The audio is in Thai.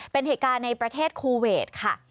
เป็นเหตุการณ์ในประเทศคูเวทค่ะ